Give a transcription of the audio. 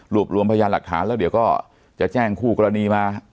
รวมรวมพยานหลักฐานแล้วเดี๋ยวก็จะแจ้งคู่กรณีมา